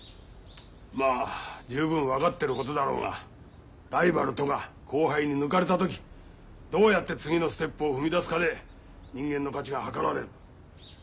まあ十分分かってることだろうがライバルとか後輩に抜かれた時どうやって次のステップを踏みだすかで人間の価値がはかられる。